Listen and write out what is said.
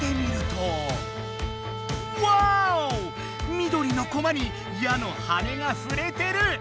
緑のコマに矢の羽根がふれてる！